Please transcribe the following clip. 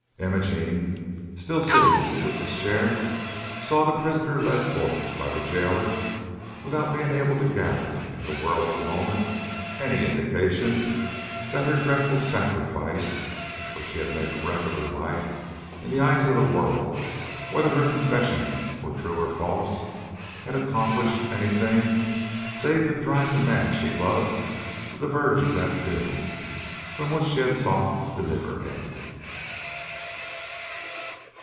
Imogene, still sitting in the witness chair, saw the prisoner led forth by the jailer without being able to gather, in the whirl of the moment, any indication that her dreadful sacrifice for she had made wreck of her life in the eyes of the world whether her confession were true or false had accomplished any thing save to drive the man she loved to the verge of that doom from which she had sought to deliver him.